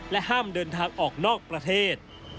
ห้ามเดินทางออกนอกประเทศ